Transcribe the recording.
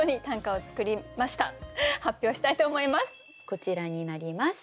こちらになります。